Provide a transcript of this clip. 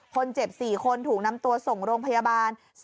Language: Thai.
คนเจ็บ๔คนถูกนำตัวส่งโรงพยาบาล